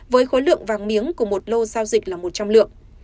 với khối lượng vàng miếng của một lô giao dịch là một trăm linh lượng